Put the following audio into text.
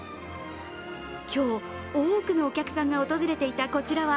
今日、多くのお客さんが訪れていたこちらは